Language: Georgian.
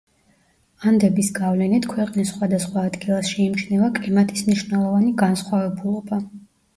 ანდების გავლენით, ქვეყნის სხვადასხვა ადგილას შეიმჩნევა კლიმატის მნიშვნელოვანი განსხვავებულობა.